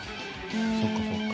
そっかそっか。